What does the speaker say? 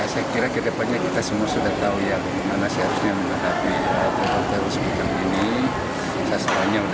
saya kira bizimu sudah tahu bagaimana harus kita meletakkan chemistry senhork stealing ini